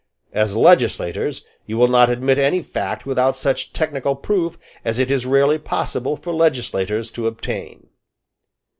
As legislators, you will not admit any fact without such technical proof as it is rarely possible for legislators to obtain."